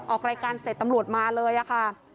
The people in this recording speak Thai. ออกรายการเสร็จตำรวจมาเลยค่ะ